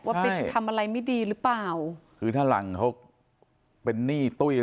ว่าไปทำอะไรไม่ดีหรือเปล่าคือถ้าหลังเขาเป็นหนี้ตุ้ย